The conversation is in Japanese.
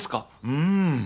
うん。